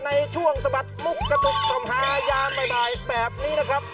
ในช่วงสบัติมุกกระตุกต่อมหายาบ่ายแบบนี้นะครับ